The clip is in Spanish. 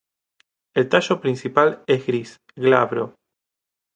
El tallo principal es gris, glabro.